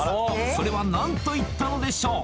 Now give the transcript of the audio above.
それは何と言ったのでしょう？